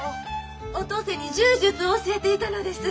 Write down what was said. お登勢に柔術を教えていたのです。